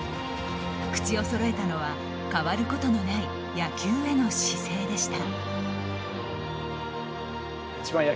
口をそろえたのは変わることのない野球への姿勢でした。